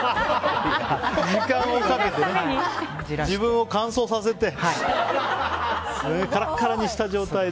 時間をかけてね自分を乾燥させてカラカラにした状態で。